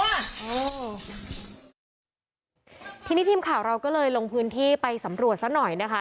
ทีนี้ทีมข่าวเราก็เลยลงพื้นที่ไปสำรวจซะหน่อยนะคะ